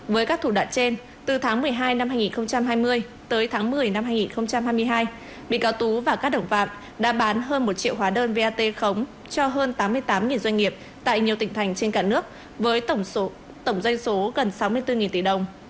với các thủ đoạn trên từ tháng một mươi hai năm hai nghìn hai mươi tới tháng một mươi năm hai nghìn hai mươi hai bị cáo tú và các đồng phạm đã bán hơn một triệu hóa đơn vat khống cho hơn tám mươi tám doanh nghiệp tại nhiều tỉnh thành trên cả nước với tổng doanh số gần sáu mươi bốn tỷ đồng